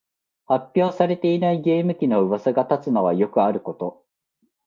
発表されていないゲーム機のうわさが立つのはよくあること